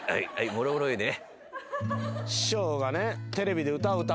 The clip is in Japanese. もろもろいいね。